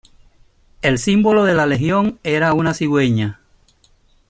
El símbolo de la legión era una cigüeña.